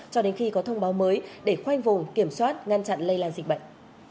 cho đến khi có thông báo mới để khoanh vùng kiểm soát ngăn chặn lây lan dịch bệnh